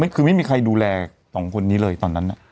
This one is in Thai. คือไม่มีใครดูแลสองคนนี้เลยตอนนั้น